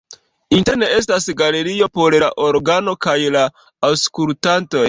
Interne estas galerio por la orgeno kaj la aŭskultantoj.